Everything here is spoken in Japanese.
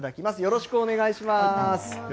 よろしくお願いします。